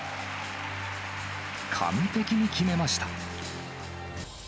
完璧に決めました。